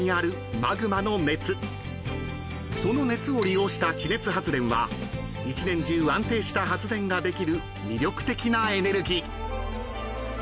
［その熱を利用した地熱発電は一年中安定した発電ができる魅力的なエネルギー］